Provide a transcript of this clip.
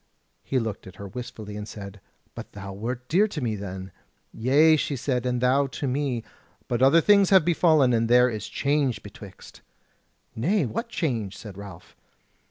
He looked on her wistfully and said: "But thou wert dear to me then." "Yea," she said, "and thou to me; but other things have befallen, and there is change betwixt." "Nay, what change?" said Ralph.